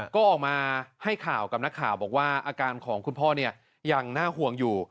ก็ออกมาให้ข่าวกับนักข่าวบอกว่าอาการของคุณพ่อยังน่าห่วงอยู่